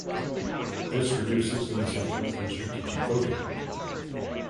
This reduces the incentive for strategic voting.